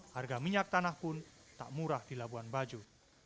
harga minyak tanah pun tak murah di labuan bajo